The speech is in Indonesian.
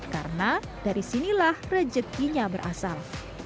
karena dari sinilah rejekinya berasal